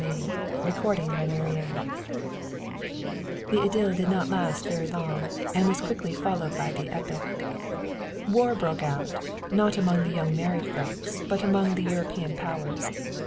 CHAPTER XVI SOLDIERING The idyll did not last very long, and was quickly followed by the epic. War broke out, not among the young married folks, but among the European Powers.